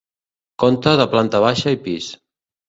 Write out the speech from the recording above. Conta de planta baixa i pis.